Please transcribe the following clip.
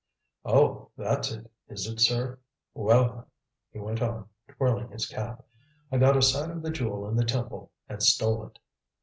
"Oh, that's it, is it, sir? Well, then," he went on, twirling his cap, "I got a sight of the Jewel in the temple and stole it."